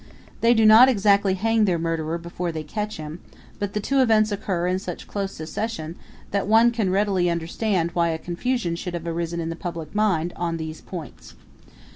They do not exactly hang their murderer before they catch him, but the two events occur in such close succession that one can readily understand why a confusion should have arisen in the public mind on these points.